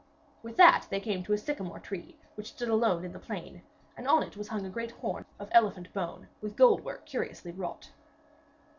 With that they came to a sycamore tree which stood alone in the plain, and on it was hung a great horn of elephant bone, with gold work curiously wrought.